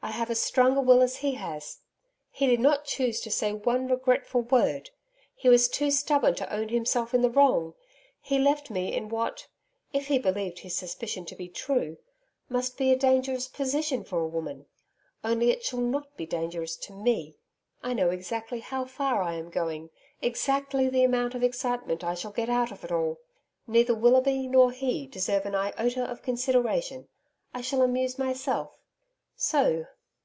I have as strong a will as he has. He did not choose to say one regretful word. He was too stubborn to own himself in the wrong. He left me in what if he believed his suspicion to be true must be a dangerous position for a woman only it shall not be dangerous to ME. I know exactly how far I am going exactly the amount of excitement I shall get out of it all. Neither Willoughby nor he deserve an iota of consideration. I shall amuse myself. So!